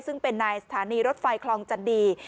ซึ่งเป็นนายสถานีรถไฟคลองจันดี